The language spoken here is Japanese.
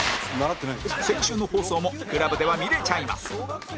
先週の放送も ＣＬＵＢ では見れちゃいます